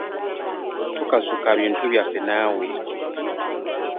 Tokasuka bintu byaffe naawe.